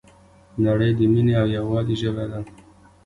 نړۍ د مینې او یووالي ژبه ده.